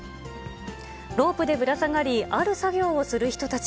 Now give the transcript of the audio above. ロープでぶら下がりある作業をする人たち。